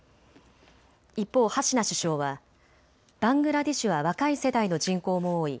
一方、ハシナ首相はバングラデシュは若い世代の人口も多い。